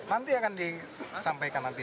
nanti akan disampaikan nanti